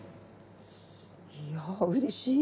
いやうれしい。